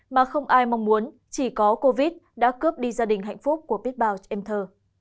mà không ai mong muốn chỉ có covid đã cướp đi gia đình hạnh phúc của biết bao em thơ